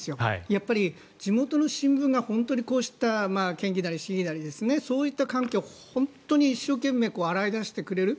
やっぱり地元の新聞が本当にこうした県議なり市議なりそういった関係を本当に一生懸命洗い出してくれる。